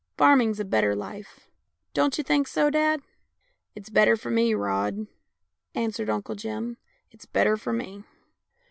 " Farming's a better life. Don't you think so, dad?" " It's better for me, Rod," answered Uncle Jim, " it's better for me."